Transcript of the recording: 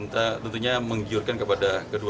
tentunya menggiurkan kepada kedua